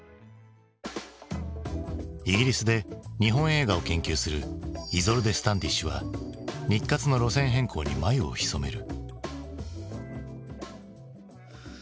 イギリスで日本映画を研究するイゾルデ・スタンディッシュは日活の路線変更に眉をひそめる。